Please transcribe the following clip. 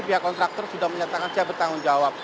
pihak kontraktor sudah menyatakan siap bertanggung jawab